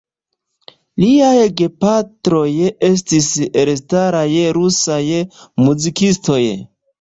Liaj gepatroj estis elstaraj rusaj muzikistoj.